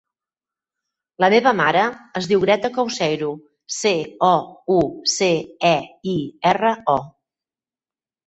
La meva mare es diu Greta Couceiro: ce, o, u, ce, e, i, erra, o.